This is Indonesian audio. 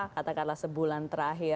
katakanlah sebulan terakhir